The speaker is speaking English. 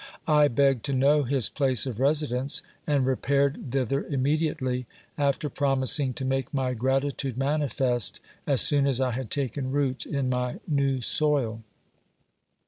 I begged to know; his place of residence, and repaired thither immediately, after promising to make my gratitude manifest, as soon as I had taken root in my new soil.